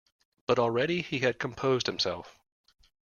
But already he had composed himself.